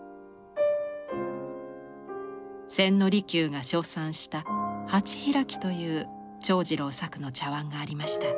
千利休が称賛した「鉢開」という長次郎作の茶碗がありました。